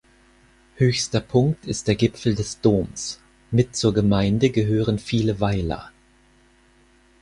Höchster Punkt ist der Gipfel des Doms mit Zur Gemeinde gehören viele Weiler.